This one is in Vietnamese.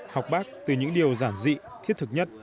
học bác từ những điều giản dị thiết thực nhất